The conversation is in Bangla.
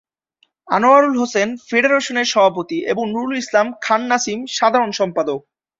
আনোয়ার হোসেন ফেডারেশনের সভাপতি এবং নুরুল ইসলাম খান নাসিম সাধারণ সম্পাদক।